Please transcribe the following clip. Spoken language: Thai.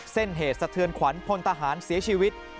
เส้นเหตุสะเทือนขวัญพลทหารเสียชีวิต